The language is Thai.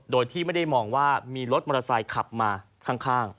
โดยที่ไม่ได้มองว่ามีรถมอเตอร์ไซค์ขับมาข้าง